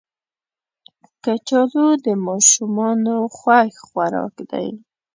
کچالو د ماشومانو خوښ خوراک دی